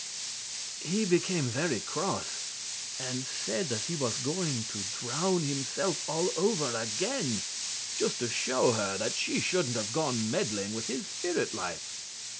He became very cross and said that he was going out and drown himself all over again, just to show her that she shouldn't have gone meddling with his spirit life.